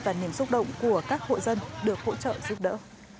và niềm xúc động của các hộ dân được hỗ trợ giúp đỡ